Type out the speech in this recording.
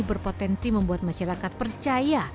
berpotensi membuat masyarakat percaya